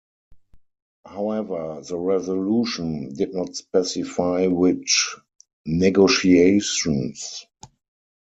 However, the resolution did not specify which negotiations.